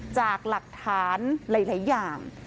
จากหลักฐานหลายอย่าง